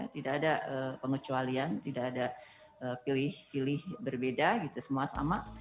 tidak ada pengecualian tidak ada pilih pilih berbeda gitu semua sama